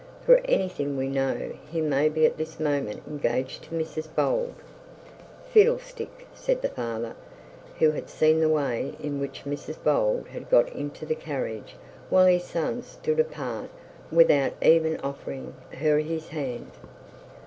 'For anything we know, he may be at this moment engaged to Mrs Bold.' 'Fiddlestick,' said the father, who had seen the way in which Mrs Bold had got into the carriage, while his son stood apart without even offering her his hand.